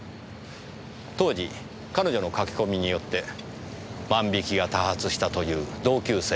当時彼女の書き込みによって万引きが多発したという同級生の実家はコンビニでした。